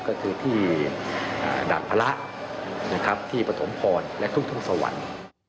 ก็คือที่อ่าดับพระนะครับที่ประถมพลและทุกทุกสวรรค์